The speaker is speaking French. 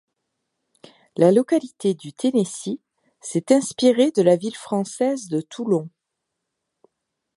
La localité du Tennessee s'est inspirée de la ville française de Toulon.